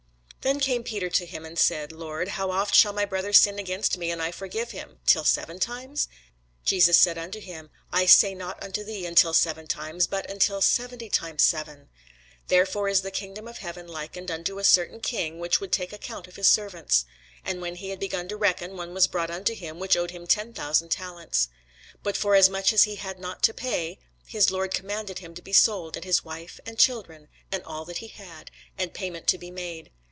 Then came Peter to him, and said, Lord, how oft shall my brother sin against me, and I forgive him? till seven times? Jesus saith unto him, I say not unto thee, Until seven times: but, Until seventy times seven. Therefore is the kingdom of heaven likened unto a certain king, which would take account of his servants. And when he had begun to reckon, one was brought unto him, which owed him ten thousand talents. But forasmuch as he had not to pay, his lord commanded him to be sold, and his wife, and children, and all that he had, and payment to be made.